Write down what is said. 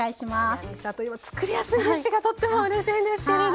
ヤミーさんといえばつくりやすいレシピがとってもうれしいんですけども。